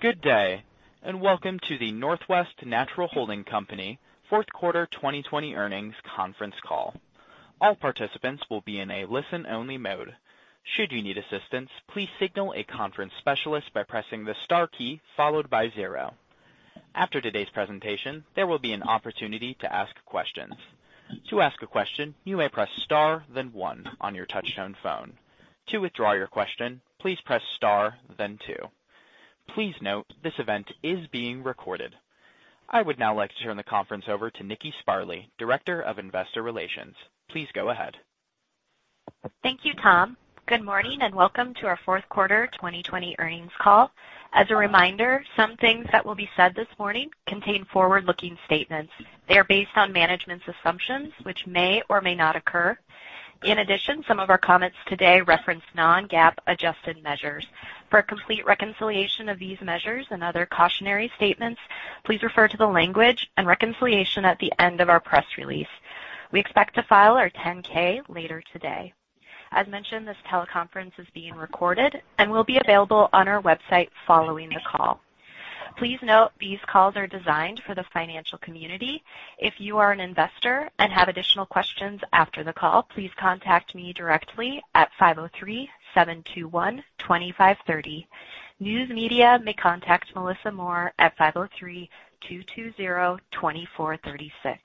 Good day, and welcome to the Northwest Natural Holding Company fourth quarter 2020 earnings conference call. All participants will be in a listen-only mode. Should you need assistance, please signal a conference specialist by pressing the star key followed by zero. After today's presentation, there will be an opportunity to ask questions. To ask a question, you may press star, then one on your touch-tone phone. To withdraw your question, please press star, then two. Please note this event is being recorded. I would now like to turn the conference over to Nikki Sparley, Director of Investor Relations. Please go ahead. Thank you, Tom. Good morning and welcome to our fourth quarter 2020 earnings call. As a reminder, some things that will be said this morning contain forward-looking statements. They are based on management's assumptions, which may or may not occur. In addition, some of our comments today reference non-GAAP adjusted measures. For a complete reconciliation of these measures and other cautionary statements, please refer to the language and reconciliation at the end of our press release. We expect to file our 10-K later today. As mentioned, this teleconference is being recorded and will be available on our website following the call. Please note these calls are designed for the financial community. If you are an investor and have additional questions after the call, please contact me directly at 503-721-2530. News media may contact Melissa Moore at 503-220-2436.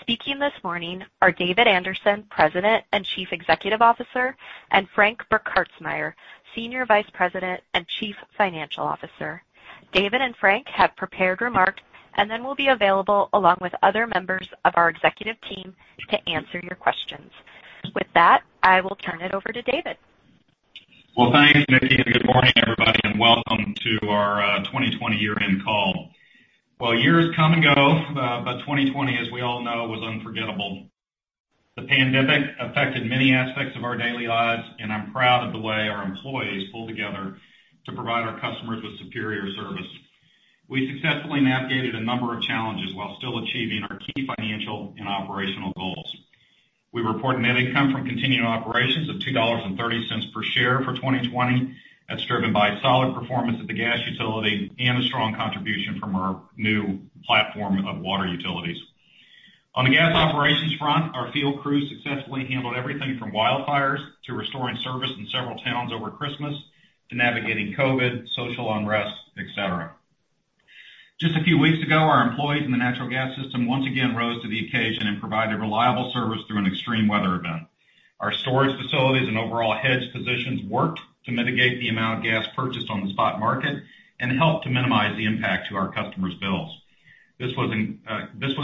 Speaking this morning are David Anderson, President and Chief Executive Officer, and Frank Burkhartsmeyer, Senior Vice President and Chief Financial Officer. David and Frank have prepared remarks and then will be available along with other members of our executive team to answer your questions. With that, I will turn it over to David. Thanks, Nikki, and good morning, everybody, and welcome to our 2020 year-end call. Years come and go, but 2020, as we all know, was unforgettable. The pandemic affected many aspects of our daily lives, and I'm proud of the way our employees pulled together to provide our customers with superior service. We successfully navigated a number of challenges while still achieving our key financial and operational goals. We report net income from continued operations of $2.30 per share for 2020. That's driven by solid performance at the gas utility and a strong contribution from our new platform of Water utilities. On the gas operations front, our field crews successfully handled everything from wildfires to restoring service in several towns over Christmas to navigating COVID, social unrest, etc. Just a few weeks ago, our employees in the natural gas system once again rose to the occasion and provided reliable service through an extreme weather event. Our storage facilities and overall hedge positions worked to mitigate the amount of gas purchased on the spot market and helped to minimize the impact to our customers' bills. This was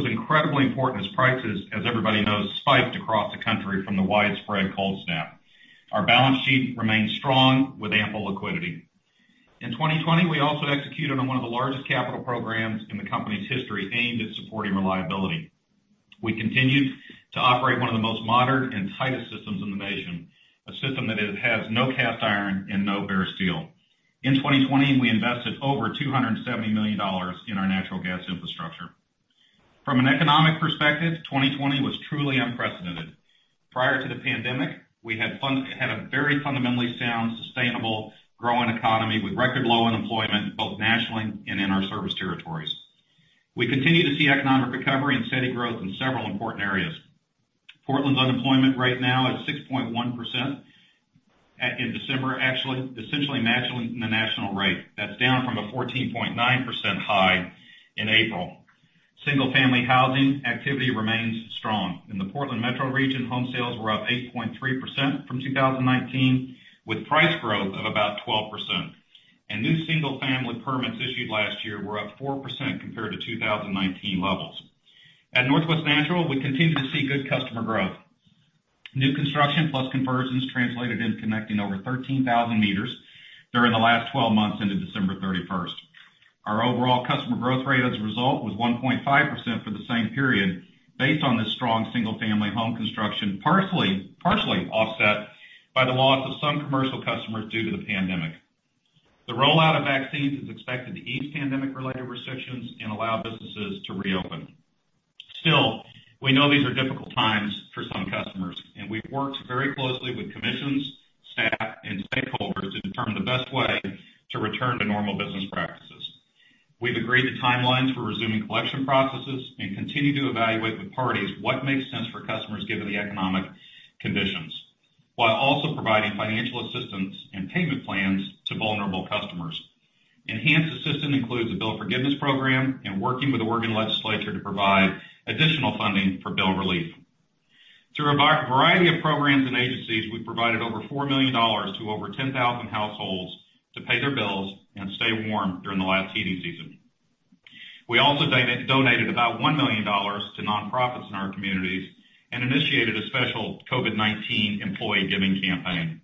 incredibly important as prices, as everybody knows, spiked across the country from the widespread cold snap. Our balance sheet remained strong with ample liquidity. In 2020, we also executed on one of the largest capital programs in the company's history aimed at supporting reliability. We continued to operate one of the most modern and tightest systems in the nation, a system that has no cast iron and no bare steel. In 2020, we invested over $270 million in our natural gas infrastructure. From an economic perspective, 2020 was truly unprecedented. Prior to the pandemic, we had a very fundamentally sound, sustainable, growing economy with record-low unemployment both nationally and in our service territories. We continue to see economic recovery and steady growth in several important areas. Portland's unemployment rate now is 6.1% in December, actually essentially matching the national rate. That's down from a 14.9% high in April. Single-family housing activity remains strong. In the Portland metro region, home sales were up 8.3% from 2019, with price growth of about 12%. New single-family permits issued last year were up 4% compared to 2019 levels. At Northwest Natural, we continue to see good customer growth. New construction plus conversions translated in connecting over 13,000 m during the last 12 months into December 31st. Our overall customer growth rate as a result was 1.5% for the same period based on this strong single-family home construction, partially offset by the loss of some commercial customers due to the pandemic. The rollout of vaccines is expected to ease pandemic-related restrictions and allow businesses to reopen. Still, we know these are difficult times for some customers, and we've worked very closely with commissions, staff, and stakeholders to determine the best way to return to normal business practices. We've agreed to timelines for resuming collection processes and continue to evaluate with parties what makes sense for customers given the economic conditions, while also providing financial assistance and payment plans to vulnerable customers. Enhanced assistance includes the bill forgiveness program and working with the Oregon legislature to provide additional funding for bill relief. Through a variety of programs and agencies, we've provided over $4 million to over 10,000 households to pay their bills and stay warm during the last heating season. We also donated about $1 million to nonprofits in our communities and initiated a special COVID-19 employee giving campaign.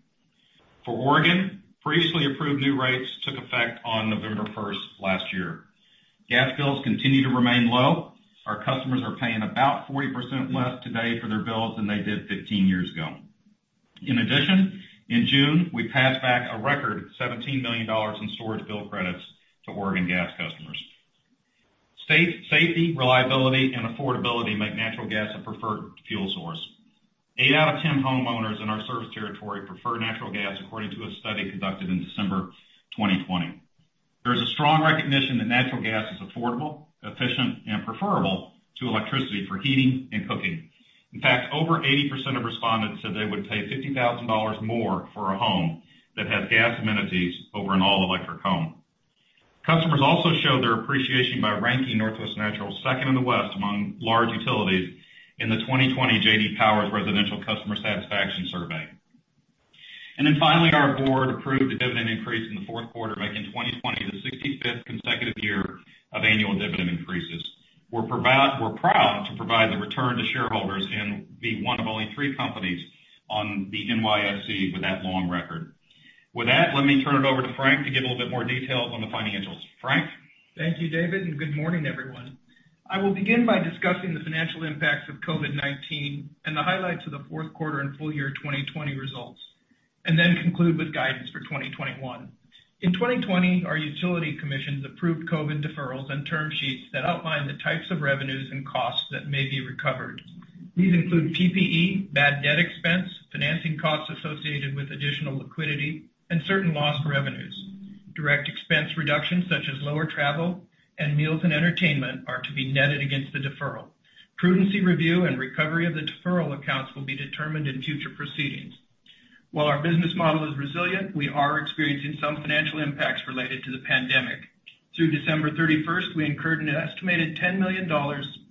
For Oregon, previously approved new rates took effect on November 1st last year. Gas bills continue to remain low. Our customers are paying about 40% less today for their bills than they did 15 years ago. In addition, in June, we passed back a record $17 million in storage bill credits to Oregon gas customers. Safety, reliability, and affordability make natural gas a preferred fuel source. Eight out of ten homeowners in our service territory prefer natural gas, according to a study conducted in December 2020. There is a strong recognition that natural gas is affordable, efficient, and preferable to electricity for heating and cooking. In fact, over 80% of respondents said they would pay $50,000 more for a home that has gas amenities over an all-electric home. Customers also showed their appreciation by ranking Northwest Natural second in the West among large utilities in the 2020 J.D. Power residential customer satisfaction survey. Finally, our board approved a dividend increase in the fourth quarter, making 2020 the 65th consecutive year of annual dividend increases. We're proud to provide the return to shareholders and be one of only three companies on the NYSE with that long record. With that, let me turn it over to Frank to give a little bit more details on the financials. Frank? Thank you, David, and good morning, everyone. I will begin by discussing the financial impacts of COVID-19 and the highlights of the fourth quarter and full year 2020 results, and then conclude with guidance for 2021. In 2020, our utility commissions approved COVID deferrals and term sheets that outline the types of revenues and costs that may be recovered. These include PPE, bad debt expense, financing costs associated with additional liquidity, and certain lost revenues. Direct expense reductions, such as lower travel and meals and entertainment, are to be netted against the deferral. Prudency review and recovery of the deferral accounts will be determined in future proceedings. While our business model is resilient, we are experiencing some financial impacts related to the pandemic. Through December 31st, we incurred an estimated $10 million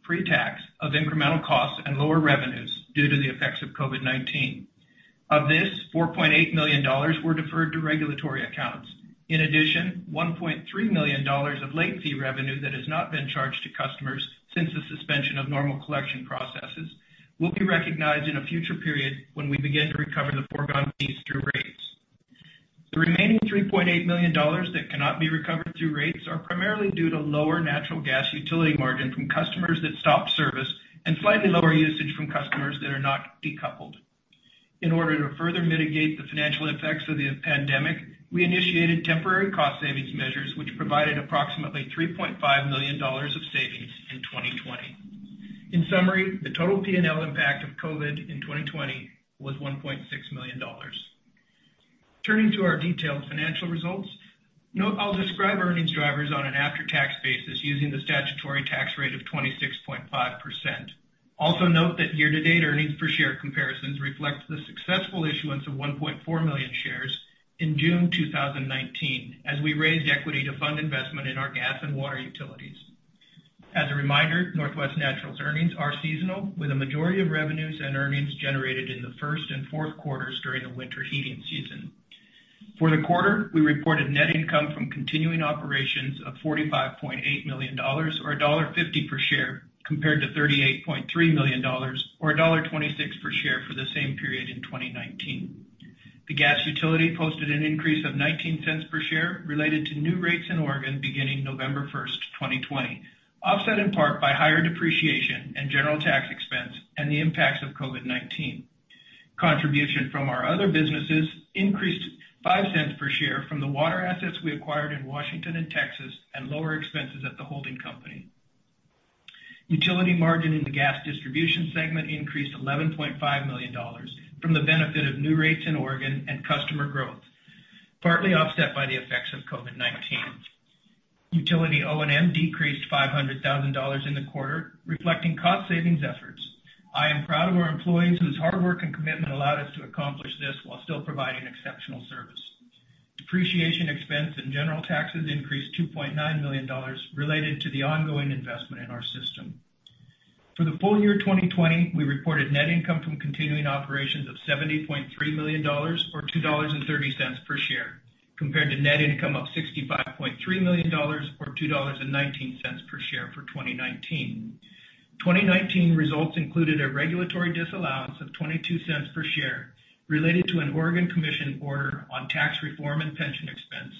pre-tax of incremental costs and lower revenues due to the effects of COVID-19. Of this, $4.8 million were deferred to regulatory accounts. In addition, $1.3 million of late fee revenue that has not been charged to customers since the suspension of normal collection processes will be recognized in a future period when we begin to recover the foregone fees through rates. The remaining $3.8 million that cannot be recovered through rates are primarily due to lower natural gas utility margin from customers that stopped service and slightly lower usage from customers that are not decoupled. In order to further mitigate the financial effects of the pandemic, we initiated temporary cost savings measures, which provided approximately $3.5 million of savings in 2020. In summary, the total P&L impact of COVID in 2020 was $1.6 million. Turning to our detailed financial results, I'll describe earnings drivers on an after-tax basis using the statutory tax rate of 26.5%. Also note that year-to-date earnings per share comparisons reflect the successful issuance of 1.4 million shares in June 2019 as we raised equity to fund investment in our gas and water utilities. As a reminder, Northwest Natural's earnings are seasonal, with a majority of revenues and earnings generated in the first and fourth quarters during the winter heating season. For the quarter, we reported net income from continuing operations of $45.8 million or $1.50 per share compared to $38.3 million or $1.26 per share for the same period in 2019. The Gas utility posted an increase of $0.19 per share related to new rates in Oregon beginning November 1st, 2020, offset in part by higher depreciation and general tax expense and the impacts of COVID-19. Contribution from our other businesses increased $0.05 per share from the Water assets we acquired in Washington and Texas and lower expenses at the holding company. Utility margin in the gas distribution segment increased $11.5 million from the benefit of new rates in Oregon and customer growth, partly offset by the effects of COVID-19. Utility O&M decreased $500,000 in the quarter, reflecting cost savings efforts. I am proud of our employees whose hard work and commitment allowed us to accomplish this while still providing exceptional service. Depreciation expense and general taxes increased $2.9 million related to the ongoing investment in our system. For the full year 2020, we reported net income from continuing operations of $70.3 million or $2.30 per share compared to net income of $65.3 million or $2.19 per share for 2019. 2019 results included a regulatory disallowance of $0.22 per share related to an Oregon commission order on tax reform and pension expense.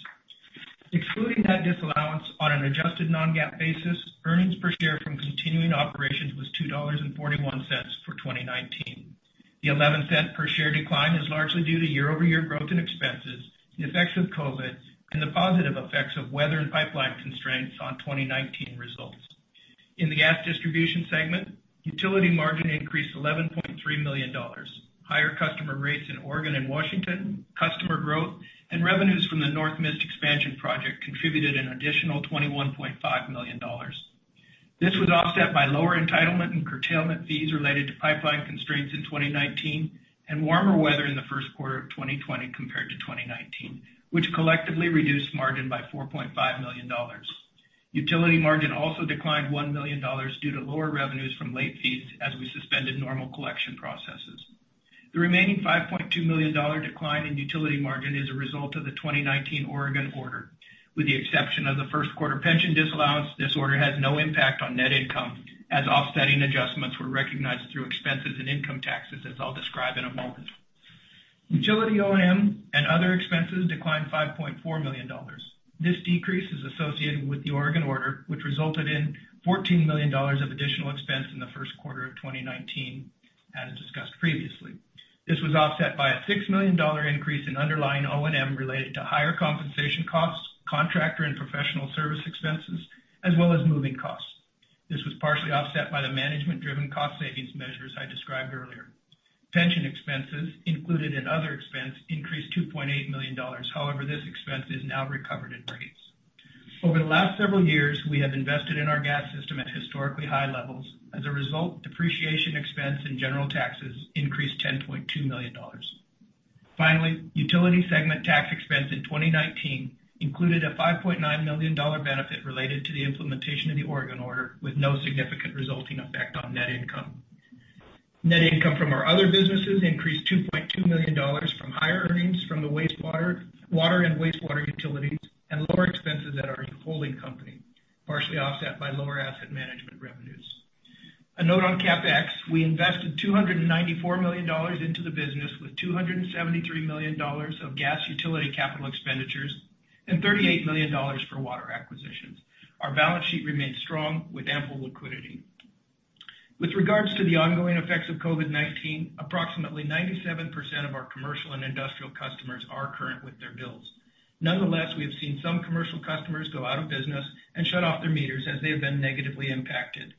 Excluding that disallowance on an adjusted non-GAAP basis, earnings per share from continuing operations was $2.41 for 2019. The $0.11 per share decline is largely due to year-over-year growth in expenses, the effects of COVID, and the positive effects of weather and pipeline constraints on 2019 results. In the gas distribution segment, utility margin increased $11.3 million. Higher customer rates in Oregon and Washington, customer growth, and revenues from the Northmist expansion project contributed an additional $21.5 million. This was offset by lower entitlement and curtailment fees related to pipeline constraints in 2019 and warmer weather in the first quarter of 2020 compared to 2019, which collectively reduced margin by $4.5 million. Utility margin also declined $1 million due to lower revenues from late fees as we suspended normal collection processes. The remaining $5.2 million decline in utility margin is a result of the 2019 Oregon order. With the exception of the first quarter pension disallowance, this order has no impact on net income as offsetting adjustments were recognized through expenses and income taxes, as I'll describe in a moment. Utility O&M and other expenses declined $5.4 million. This decrease is associated with the Oregon order, which resulted in $14 million of additional expense in the first quarter of 2019, as discussed previously. This was offset by a $6 million increase in underlying O&M related to higher compensation costs, contractor and professional service expenses, as well as moving costs. This was partially offset by the management-driven cost savings measures I described earlier. Pension expenses, included in other expense, increased $2.8 million. However, this expense is now recovered in rates. Over the last several years, we have invested in our gas system at historically high levels. As a result, depreciation expense and general taxes increased $10.2 million. Finally, utility segment tax expense in 2019 included a $5.9 million benefit related to the implementation of the Oregon order, with no significant resulting effect on net income. Net income from our other businesses increased $2.2 million from higher earnings from the water and wastewater utilities and lower expenses at our holding company, partially offset by lower asset management revenues. A note on CapEx, we invested $294 million into the business with $273 million of gas utility capital expenditures and $38 million for Water acquisitions. Our balance sheet remained strong with ample liquidity. With regards to the ongoing effects of COVID-19, approximately 97% of our commercial and industrial customers are current with their bills. Nonetheless, we have seen some commercial customers go out of business and shut off their meters as they have been negatively impacted.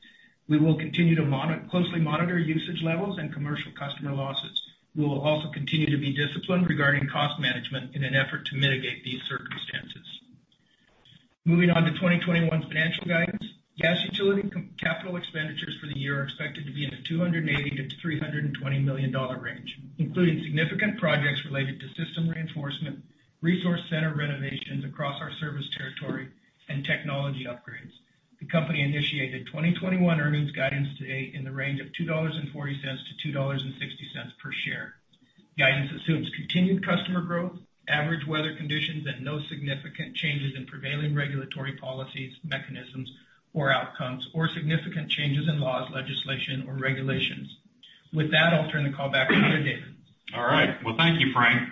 We will continue to closely monitor usage levels and commercial customer losses. We will also continue to be disciplined regarding cost management in an effort to mitigate these circumstances. Moving on to 2021 financial guidance, gas utility capital expenditures for the year are expected to be in the $280-$320 million range, including significant projects related to system reinforcement, resource center renovations across our service territory, and technology upgrades. The company initiated 2021 earnings guidance today in the range of $2.40-$2.60 per share. Guidance assumes continued customer growth, average weather conditions, and no significant changes in prevailing regulatory policies, mechanisms, or outcomes, or significant changes in laws, legislation, or regulations. With that, I'll turn the call back over to David. All right. Thank you, Frank.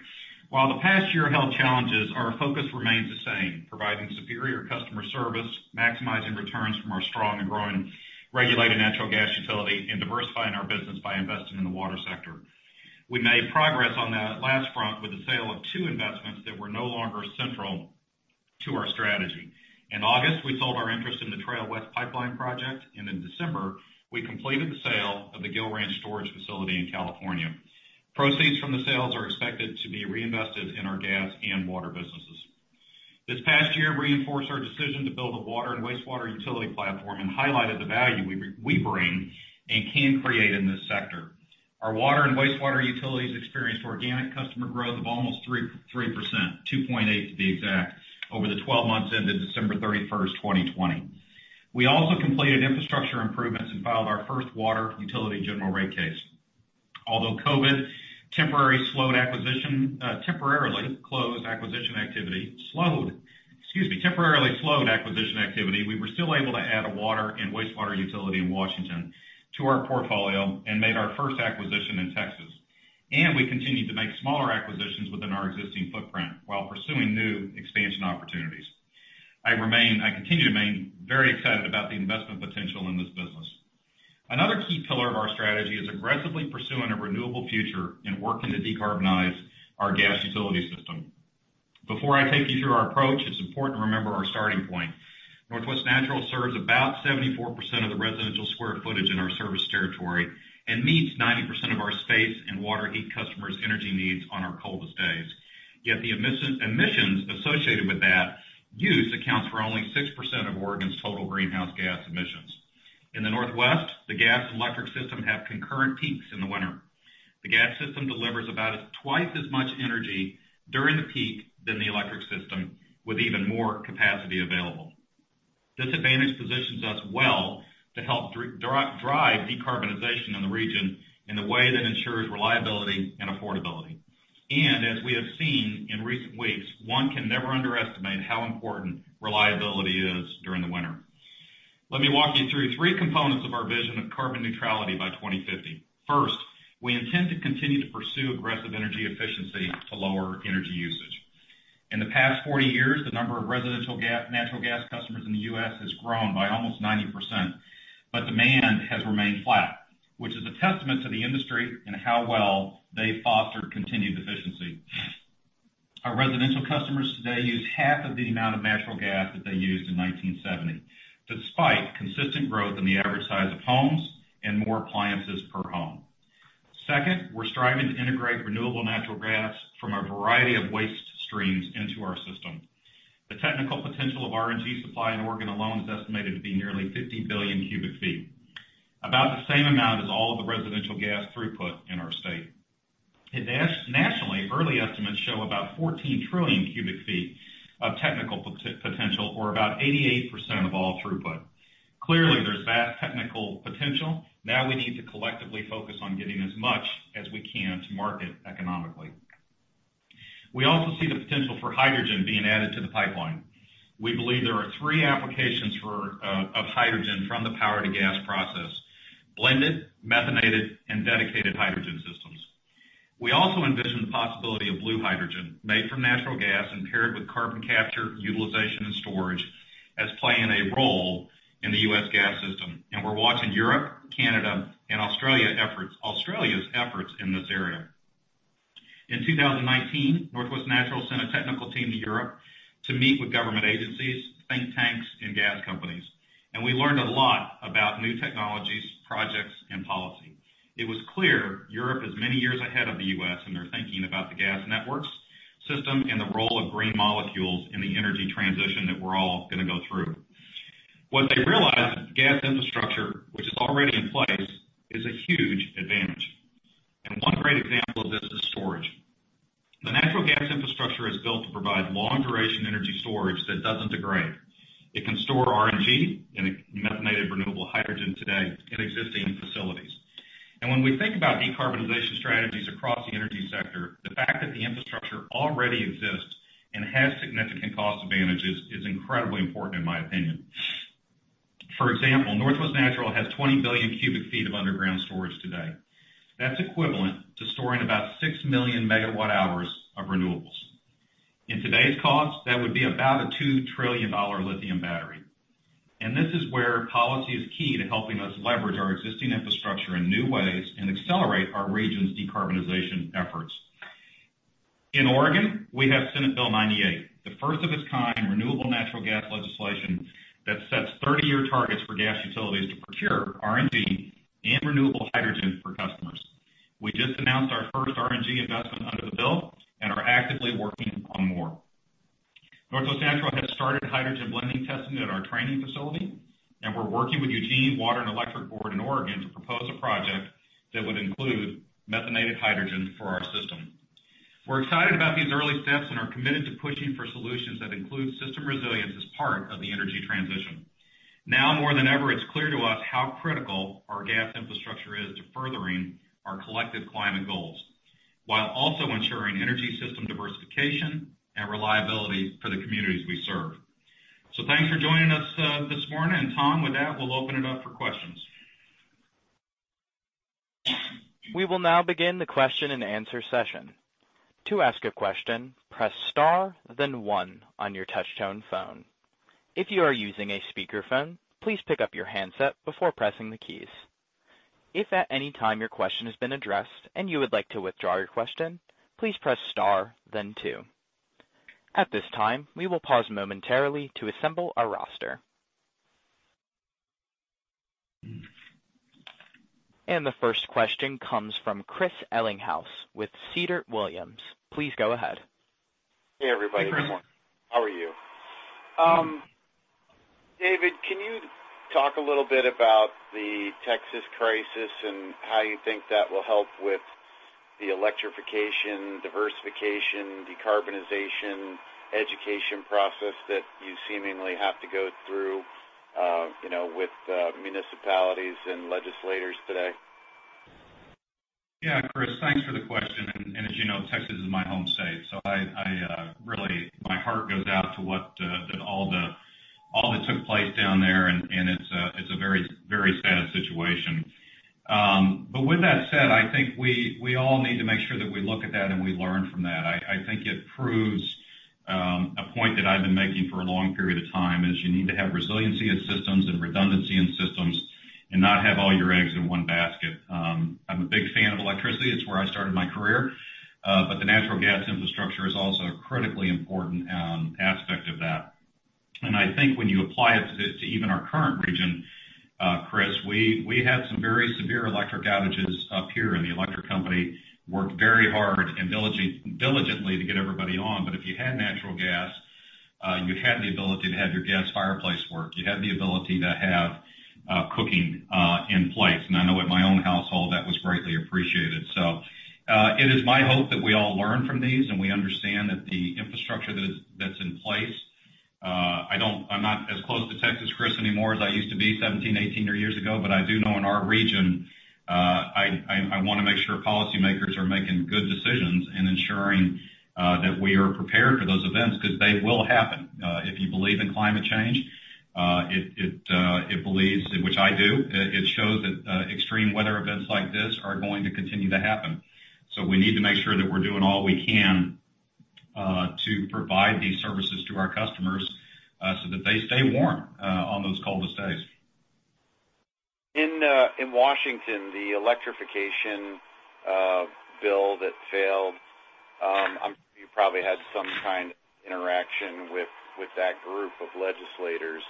While the past year held challenges, our focus remains the same, providing superior customer service, maximizing returns from our strong and growing regulated natural gas utility, and diversifying our business by investing in the water sector. We made progress on that last front with the sale of two investments that were no longer central to our strategy. In August, we sold our interest in the Trail West Pipeline project, and in December, we completed the sale of the Gill Ranch Storage Facility in California. Proceeds from the sales are expected to be reinvested in our Gas and Water businesses. This past year reinforced our decision to build a water and wastewater utility platform and highlighted the value we bring and can create in this sector. Our water and wastewater utilities experienced organic customer growth of almost 3%, 2.8% to be exact, over the 12 months ended December 31st, 2020. We also completed infrastructure improvements and filed our first water utility general rate case. Although COVID temporarily closed acquisition activity, we were still able to add a water and wastewater utility in Washington to our portfolio and made our first acquisition in Texas. We continued to make smaller acquisitions within our existing footprint while pursuing new expansion opportunities. I continue to remain very excited about the investment potential in this business. Another key pillar of our strategy is aggressively pursuing a renewable future and working to decarbonize our gas utility system. Before I take you through our approach, it is important to remember our starting point. Northwest Natural serves about 74% of the residential square footage in our service territory and meets 90% of our space and water heat customers' energy needs on our coldest days. Yet the emissions associated with that use accounts for only 6% of Oregon's total greenhouse gas emissions. In the northwest, the gas and electric system have concurrent peaks in the winter. The gas system delivers about twice as much energy during the peak than the electric system, with even more capacity available. This advantage positions us well to help drive decarbonization in the region in a way that ensures reliability and affordability. As we have seen in recent weeks, one can never underestimate how important reliability is during the winter. Let me walk you through three components of our vision of carbon neutrality by 2050. First, we intend to continue to pursue aggressive energy efficiency to lower energy usage. In the past 40 years, the number of residential natural gas customers in the U.S. has grown by almost 90%, but demand has remained flat, which is a testament to the industry and how well they've fostered continued efficiency. Our residential customers today use half of the amount of natural gas that they used in 1970, despite consistent growth in the average size of homes and more appliances per home. Second, we're striving to integrate renewable natural gas from a variety of waste streams into our system. The technical potential of RNG supply in Oregon alone is estimated to be nearly 50 billion ft³, about the same amount as all of the residential gas throughput in our state. Nationally, early estimates show about 14 trillion ft³ of technical potential, or about 88% of all throughput. Clearly, there's vast technical potential. Now we need to collectively focus on getting as much as we can to market economically. We also see the potential for hydrogen being added to the pipeline. We believe there are three applications of hydrogen from the power-to-gas process: blended, methanated, and dedicated hydrogen systems. We also envision the possibility of blue hydrogen made from natural gas and paired with carbon capture, utilization, and storage as playing a role in the U.S. gas system. We are watching Europe, Canada, and Australia's efforts in this area. In 2019, Northwest Natural sent a technical team to Europe to meet with government agencies, think tanks, and gas companies. We learned a lot about new technologies, projects, and policy. It was clear Europe is many years ahead of the U.S. in their thinking about the gas networks system and the role of green molecules in the energy transition that we're all going to go through. What they realized is gas infrastructure, which is already in place, is a huge advantage. One great example of this is storage. The natural gas infrastructure is built to provide long-duration energy storage that does not degrade. It can store RNG and methanated renewable hydrogen today in existing facilities. When we think about decarbonization strategies across the energy sector, the fact that the infrastructure already exists and has significant cost advantages is incredibly important, in my opinion. For example, Northwest Natural has 20 billion ft³ of underground storage today. That is equivalent to storing about 6 million MWh of renewables. In today's cost, that would be about a $2 trillion lithium battery. This is where policy is key to helping us leverage our existing infrastructure in new ways and accelerate our region's decarbonization efforts. In Oregon, we have Senate Bill 98, the first of its kind renewable natural gas legislation that sets 30-year targets for gas utilities to procure RNG and renewable hydrogen for customers. We just announced our first RNG investment under the bill and are actively working on more. Northwest Natural has started hydrogen blending testing at our training facility, and we're working with Eugene Water and Electric Board in Oregon to propose a project that would include methanated hydrogen for our system. We're excited about these early steps and are committed to pushing for solutions that include system resilience as part of the energy transition. Now more than ever, it's clear to us how critical our gas infrastructure is to furthering our collective climate goals while also ensuring energy system diversification and reliability for the communities we serve. Thanks for joining us this morning. Tom, with that, we'll open it up for questions. We will now begin the question and answer session. To ask a question, press star, then one on your touch-tone phone. If you are using a speakerphone, please pick up your handset before pressing the keys. If at any time your question has been addressed and you would like to withdraw your question, please press star, then two. At this time, we will pause momentarily to assemble our roster. The first question comes from Chris Ellinghaus with Siebert Williams. Please go ahead. Hey, everybody. Good morning. How are you? David, can you talk a little bit about the Texas crisis and how you think that will help with the electrification, diversification, decarbonization, education process that you seemingly have to go through with municipalities and legislators today? Yeah, Chris, thanks for the question. As you know, Texas is my home state. Really, my heart goes out to all that took place down there, and it's a very sad situation. With that said, I think we all need to make sure that we look at that and we learn from that. I think it proves a point that I've been making for a long period of time, as you need to have resiliency in systems and redundancy in systems and not have all your eggs in one basket. I'm a big fan of electricity. It's where I started my career. The natural gas infrastructure is also a critically important aspect of that. I think when you apply it to even our current region, Chris, we had some very severe electric outages up here, and the electric company worked very hard and diligently to get everybody on. If you had natural gas, you had the ability to have your gas fireplace work. You had the ability to have cooking in place. I know at my own household, that was greatly appreciated. It is my hope that we all learn from these and we understand that the infrastructure that is in place—I am not as close to Texas, Chris, anymore as I used to be 17, 18 years ago—but I do know in our region, I want to make sure policymakers are making good decisions and ensuring that we are prepared for those events because they will happen. If you believe in climate change, it believes, which I do, it shows that extreme weather events like this are going to continue to happen. We need to make sure that we're doing all we can to provide these services to our customers so that they stay warm on those coldest days. In Washington, the Electrification bill that failed, you probably had some kind of interaction with that group of legislators.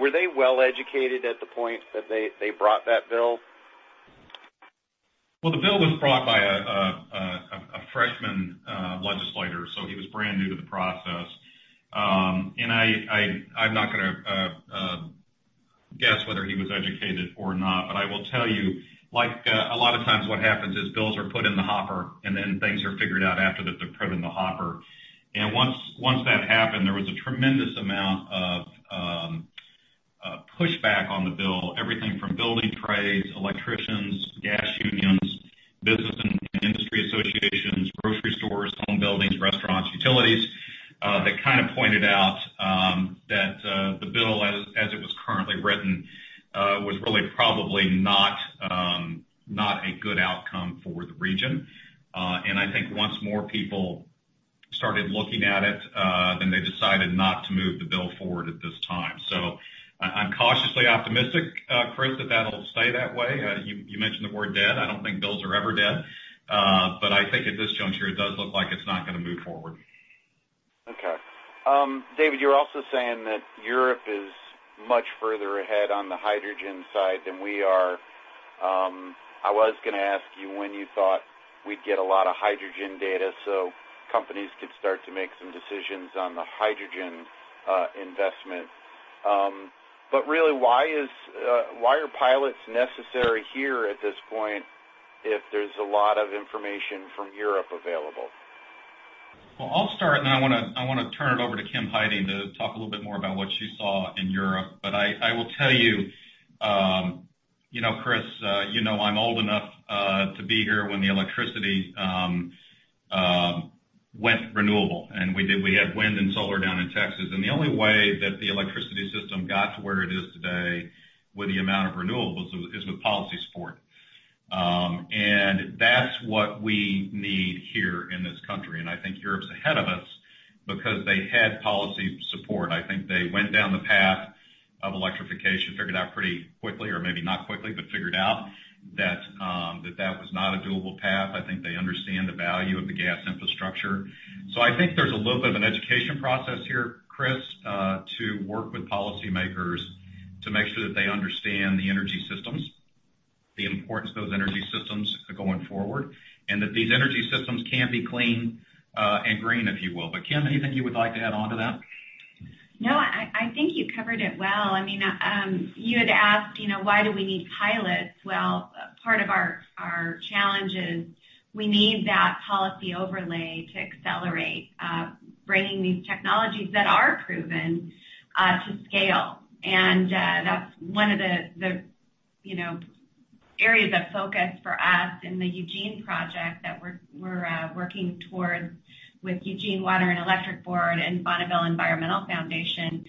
Were they well educated at the point that they brought that bill? The bill was brought by a freshman legislator, so he was brand new to the process. I'm not going to guess whether he was educated or not, but I will tell you, a lot of times what happens is bills are put in the hopper, and then things are figured out after that they're put in the hopper. Once that happened, there was a tremendous amount of pushback on the bill, everything from building trades, electricians, gas unions, business and industry associations, grocery stores, home buildings, restaurants, utilities, that kind of pointed out that the bill, as it was currently written, was really probably not a good outcome for the region. I think once more people started looking at it, then they decided not to move the bill forward at this time. I'm cautiously optimistic, Chris, that that'll stay that way. You mentioned the word dead. I don't think bills are ever dead. I think at this juncture, it does look like it's not going to move forward. Okay. David, you're also saying that Europe is much further ahead on the hydrogen side than we are. I was going to ask you when you thought we'd get a lot of hydrogen data so companies could start to make some decisions on the hydrogen investment. Really, why are pilots necessary here at this point if there's a lot of information from Europe available? I will start, and then I want to turn it over to Kim Heiting to talk a little bit more about what she saw in Europe. I will tell you, Chris, you know I'm old enough to be here when the electricity went renewable. We had wind and solar down in Texas. The only way that the electricity system got to where it is today with the amount of renewables is with policy support. That is what we need here in this country. I think Europe's ahead of us because they had policy support. I think they went down the path of electrification, figured out pretty quickly, or maybe not quickly, but figured out that that was not a doable path. I think they understand the value of the gas infrastructure. I think there's a little bit of an education process here, Chris, to work with policymakers to make sure that they understand the energy systems, the importance of those energy systems going forward, and that these energy systems can be clean and green, if you will. Kim, anything you would like to add on to that? No, I think you covered it well. I mean, you had asked, "Why do we need pilots?" Part of our challenge is we need that policy overlay to accelerate bringing these technologies that are proven to scale. That is one of the areas of focus for us in the Eugene project that we are working towards with Eugene Water and Electric Board and Bonneville Environmental Foundation,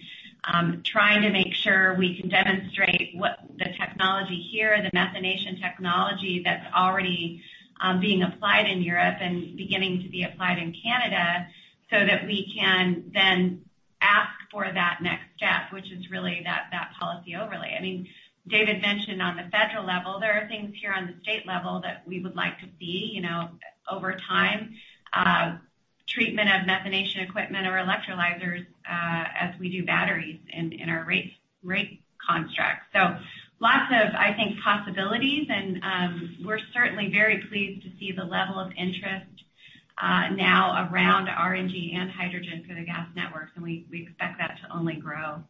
trying to make sure we can demonstrate the technology here, the methanation technology that is already being applied in Europe and beginning to be applied in Canada, so that we can then ask for that next step, which is really that policy overlay. I mean, David mentioned on the federal level, there are things here on the state level that we would like to see over time, treatment of methanation equipment or electrolyzers as we do batteries in our rate constructs. Lots of, I think, possibilities. We are certainly very pleased to see the level of interest now around RNG and hydrogen for the gas networks. We expect that to only grow.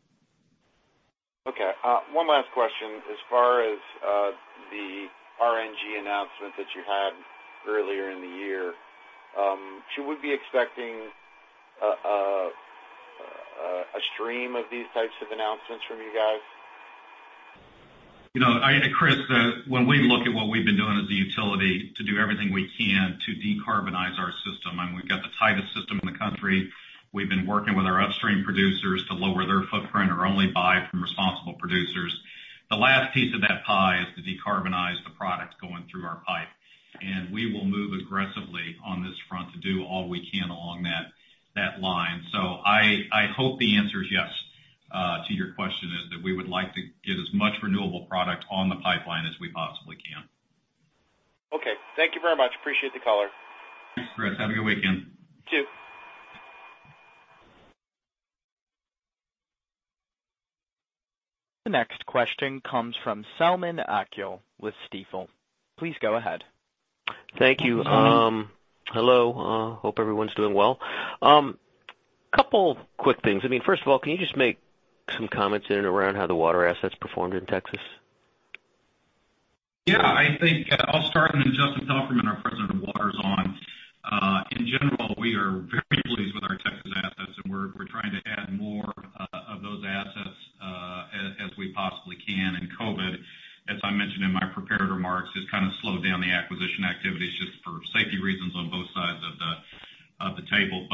Okay. One last question. As far as the RNG announcement that you had earlier in the year, should we be expecting a stream of these types of announcements from you guys? Chris, when we look at what we've been doing as a utility to do everything we can to decarbonize our system, and we've got the tightest system in the country. We've been working with our upstream producers to lower their footprint or only buy from responsible producers. The last piece of that pie is to decarbonize the product going through our pipe. We will move aggressively on this front to do all we can along that line. I hope the answer is yes to your question, is that we would like to get as much renewable product on the pipeline as we possibly can. Okay. Thank you very much. Appreciate the color. Thanks, Chris. Have a good weekend. You too. The next question comes from Selman Akyol with Stifel. Please go ahead. Thank you. Hello. Hope everyone's doing well. A couple of quick things. I mean, first of all, can you just make some comments in and around how the Water assets performed in Texas? Yeah. I'll start, and then Justin Palfreyman, our President of Waters, is on. In general, we are very pleased with our Texas assets, and we're trying to add more of those assets as we possibly can. COVID, as I mentioned in my prepared remarks, has kind of slowed down the acquisition activities just for safety reasons on both sides of the table.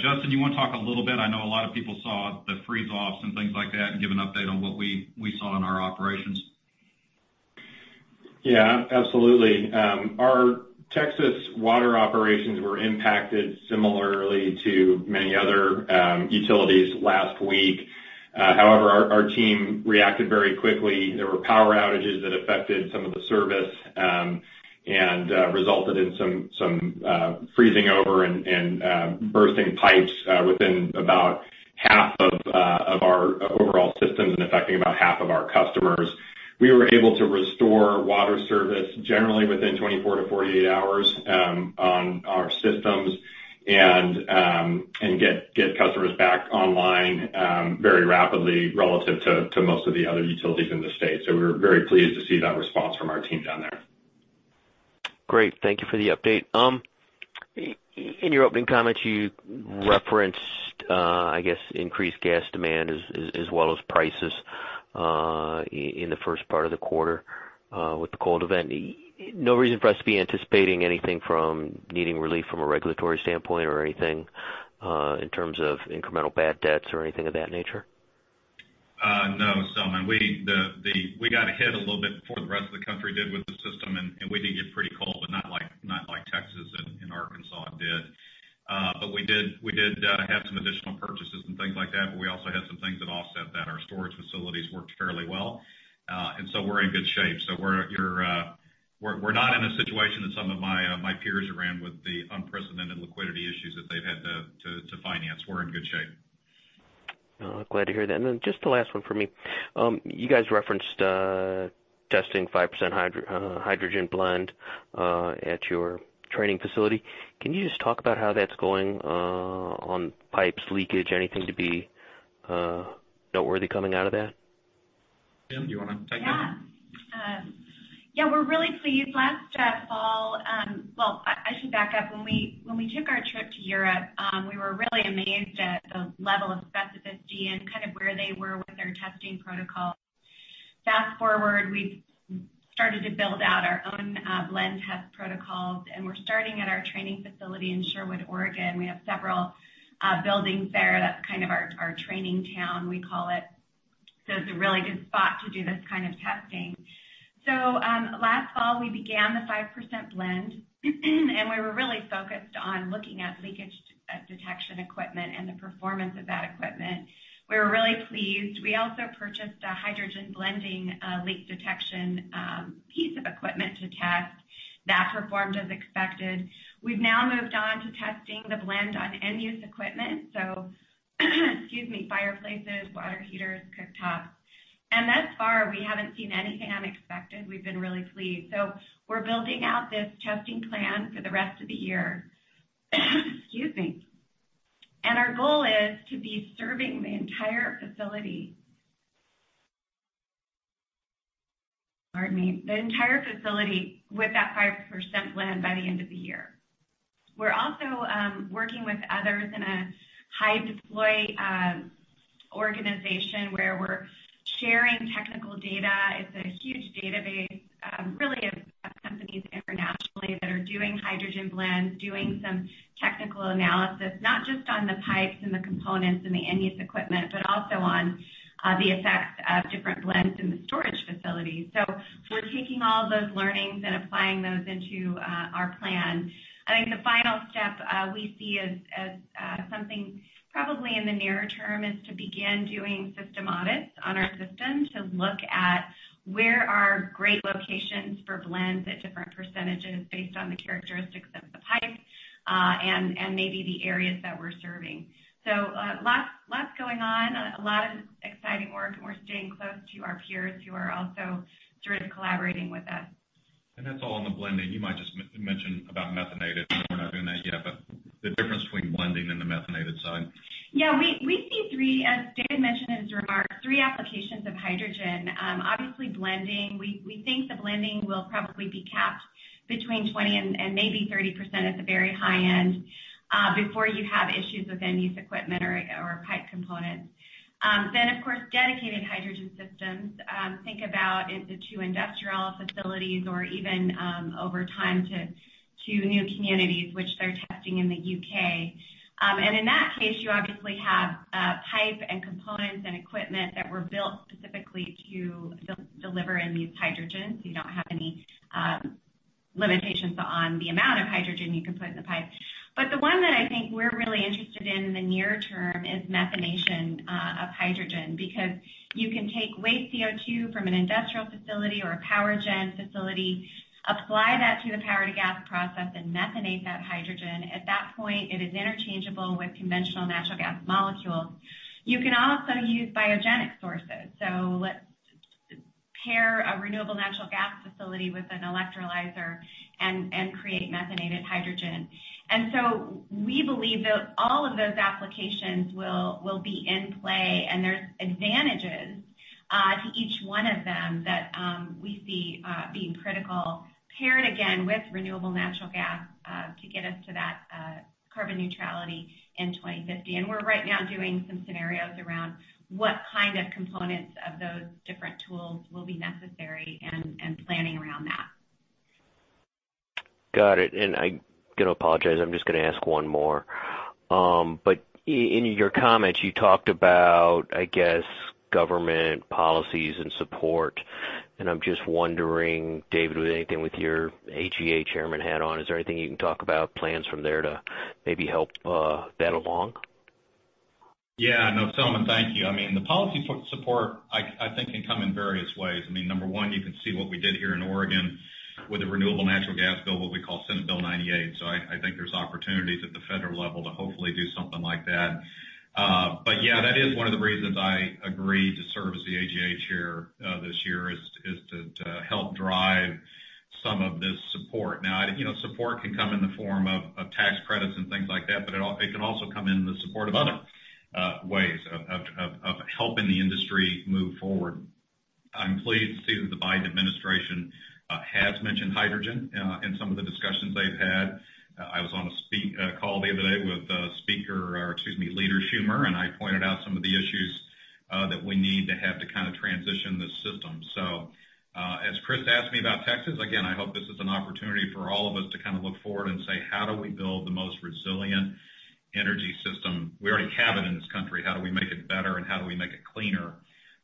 Justin, you want to talk a little bit? I know a lot of people saw the freeze-offs and things like that and give an update on what we saw in our operations. Yeah, absolutely. Our Texas water operations were impacted similarly to many other utilities last week. However, our team reacted very quickly. There were power outages that affected some of the service and resulted in some freezing over and bursting pipes within about half of our overall systems and affecting about half of our customers. We were able to restore water service generally within 24-48 hours on our systems and get customers back online very rapidly relative to most of the other utilities in the state. We were very pleased to see that response from our team down there. Great. Thank you for the update. In your opening comments, you referenced, I guess, increased gas demand as well as prices in the first part of the quarter with the cold event. No reason for us to be anticipating anything from needing relief from a regulatory standpoint or anything in terms of incremental bad debts or anything of that nature? No, Selman. We got ahead a little bit before the rest of the country did with the system, and we did get pretty cold, not like Texas and Arkansas did. We did have some additional purchases and things like that, but we also had some things that offset that. Our storage facilities worked fairly well. We are in good shape. We are not in a situation that some of my peers are in with the unprecedented liquidity issues that they have had to finance. We are in good shape. Glad to hear that. Just the last one for me. You guys referenced testing 5% hydrogen blend at your training facility. Can you just talk about how that's going on pipes, leakage, anything to be noteworthy coming out of that? Kim, do you want to take it? Yeah. Yeah, we're really pleased. Last fall, I should back up. When we took our trip to Europe, we were really amazed at the level of specificity and kind of where they were with their testing protocols. Fast forward, we've started to build out our own blend test protocols, and we're starting at our training facility in Sherwood, Oregon. We have several buildings there. That's kind of our training town, we call it. It's a really good spot to do this kind of testing. Last fall, we began the 5% blend, and we were really focused on looking at leakage detection equipment and the performance of that equipment. We were really pleased. We also purchased a hydrogen blending leak detection piece of equipment to test. That performed as expected. We've now moved on to testing the blend on end-use equipment, so excuse me, fireplaces, water heaters, cooktops. Thus far, we haven't seen anything unexpected. We've been really pleased. We're building out this testing plan for the rest of the year. Excuse me. Our goal is to be serving the entire facility—pardon me—the entire facility with that 5% blend by the end of the year. We're also working with others in a high-deploy organization where we're sharing technical data. It is a huge database, really, of companies internationally that are doing hydrogen blends, doing some technical analysis, not just on the pipes and the components and the end-use equipment, but also on the effects of different blends in the storage facility. We're taking all of those learnings and applying those into our plan. I think the final step we see as something probably in the near term is to begin doing system audits on our system to look at where are great locations for blends at different percentages based on the characteristics of the pipe and maybe the areas that we're serving. Lots going on, a lot of exciting work, and we're staying close to our peers who are also sort of collaborating with us. That's all on the blending. You might just mention about methanated, and we're not doing that yet, but the difference between blending and the methanated side. Yeah. We see three, as David mentioned in his remarks, three applications of hydrogen. Obviously, blending. We think the blending will probably be capped between 20% and maybe 30% at the very high end before you have issues with end-use equipment or pipe components. Of course, dedicated hydrogen systems. Think about into two industrial facilities or even over time to new communities, which they are testing in the U.K. In that case, you obviously have pipe and components and equipment that were built specifically to deliver in these hydrogens. You do not have any limitations on the amount of hydrogen you can put in the pipe. The one that I think we are really interested in in the near term is methanation of hydrogen because you can take waste CO2 from an industrial facility or a power gen facility, apply that to the power-to-gas process, and methanate that hydrogen. At that point, it is interchangeable with conventional natural gas molecules. You can also use biogenic sources. Let's pair a renewable natural gas facility with an electrolyzer and create methanated hydrogen. We believe that all of those applications will be in play, and there are advantages to each one of them that we see being critical, paired again with renewable natural gas to get us to that carbon neutrality in 2050. We are right now doing some scenarios around what kind of components of those different tools will be necessary and planning around that. Got it. I'm going to apologize. I'm just going to ask one more. In your comments, you talked about, I guess, government policies and support. I'm just wondering, David, with anything with your AGA chairman hat on, is there anything you can talk about, plans from there to maybe help that along? Yeah. No, Selman, thank you. I mean, the policy support, I think, can come in various ways. I mean, number one, you can see what we did here in Oregon with the renewable natural gas bill, what we call Senate Bill 98. I think there's opportunities at the federal level to hopefully do something like that. That is one of the reasons I agreed to serve as the AGA chair this year is to help drive some of this support. Now, support can come in the form of tax credits and things like that, but it can also come in the support of other ways of helping the industry move forward. I'm pleased to see that the Biden administration has mentioned hydrogen in some of the discussions they've had. I was on a call the other day with speaker Chuck Schumer, and I pointed out some of the issues that we need to have to kind of transition the system. As Chris asked me about Texas, again, I hope this is an opportunity for all of us to kind of look forward and say, "How do we build the most resilient energy system? We already have it in this country. How do we make it better, and how do we make it cleaner?"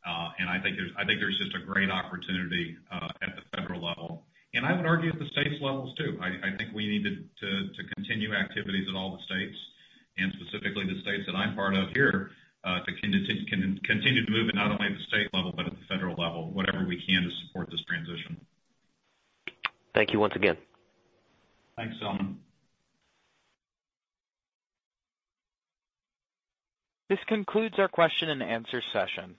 I think there's just a great opportunity at the federal level. I would argue at the state levels too. I think we need to continue activities at all the states, and specifically the states that I'm part of here, to continue to move it not only at the state level, but at the federal level, whatever we can to support this transition. Thank you once again. Thanks, Salman. This concludes our question-and-answer session.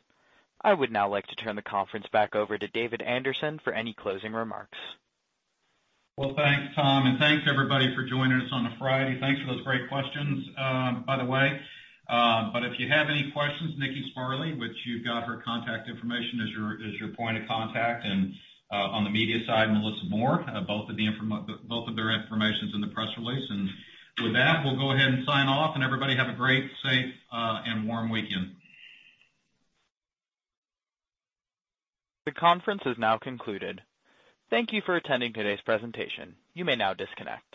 I would now like to turn the conference back over to David Anderson for any closing remarks. Thanks, Tom. Thanks, everybody, for joining us on a Friday. Thanks for those great questions, by the way. If you have any questions, Nikki Sparley, which you've got her contact information as your point of contact, and on the media side, Melissa Moore, both of their information is in the press release. With that, we'll go ahead and sign off. Everybody, have a great, safe, and warm weekend. The conference is now concluded. Thank you for attending today's presentation. You may now disconnect.